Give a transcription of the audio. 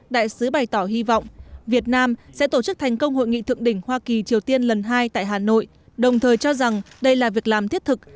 đại sứ bày tỏ hy vọng việt nam sẽ tổ chức thành công hội nghị thượng đỉnh hoa kỳ triều tiên lần hai tại hà nội đồng thời cho rằng đây là việc làm thiết thực